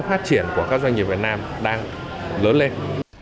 phát triển của các doanh nghiệp việt nam đang lớn lên